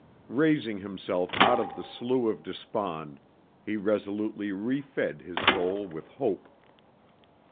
Raising himself out of the slough of despond, he resolutely re fed his soul with hope.